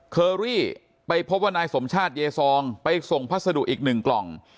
เคอรี่ไปพบว่านายสมชาติเยซองไปส่งพัสดุอีกหนึ่งกล่อง